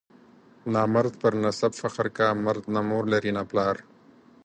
نامرد پر نسب فخر کا، مرد نه مور لري نه پلار.